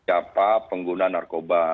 tapi kalau kami berpenggunaan dengan narkoba